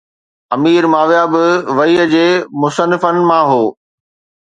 امير معاويه به وحي جي مصنفن مان هو